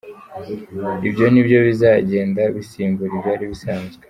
Ibyo ni byo bizagenda bisimbura ibyari bisanzwe”.